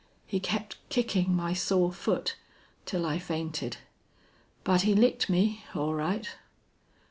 "He kept kicking my sore foot till I fainted. But he licked me all right."